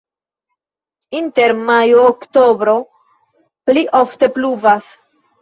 Inter majo-oktobro pli ofte pluvas.